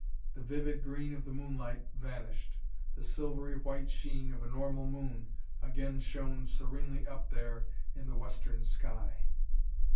The vivid green of the moonlight vanished. The silvery white sheen of a normal moon again shone serenely up there in the western sky!